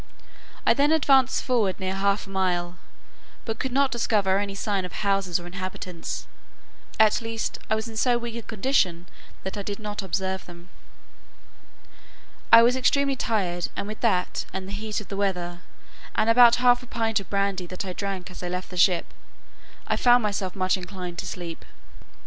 I then advanced forward near half a mile, but could not discover any sign of houses or inhabitants; at least I was in so weak a condition, that I did not observe them. I was extremely tired, and with that, and the heat of the weather, and about half a pint of brandy that I drank as I left the ship, I found myself much inclined to sleep.